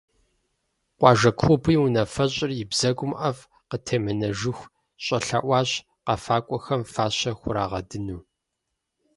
Къуажэ клубым и унафэщӀыр и бзэгум ӀэфӀ къытемынэжыху щӀэлъэӀуащ къэфакӀуэхэм фащэ хурагъэдыну.